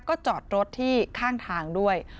ก็จอดรถที่ข้างทางด้วย